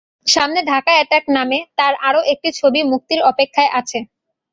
সামনে ঢাকা অ্যাটাক নামে তাঁর আরও একটি ছবি মুক্তির অপেক্ষায় আছে।